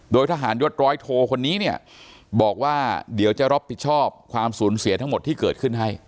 โดยทหารยศร้อยโทคนนี้เนี่ยบอกว่าเดี๋ยวจะรับผิดชอบความสูญเสียทั้งหมดที่เกิดขึ้นให้